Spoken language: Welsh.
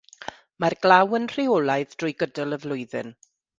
Mae'r glaw yn rheolaidd drwy gydol y flwyddyn.